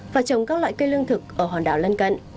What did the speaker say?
và trồng các loại cây lương thực ở hòn đảo lân cận